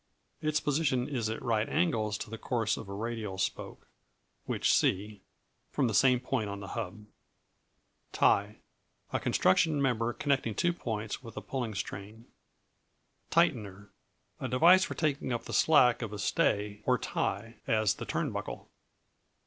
Its position is at right angles to the course of a radial spoke (which see) from the same point on the hub. Tie A construction member connecting two points with a pulling strain. Tightener A device for taking up the slack of a stay, or tie; as the turnbuckle.